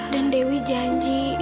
dan dewi janji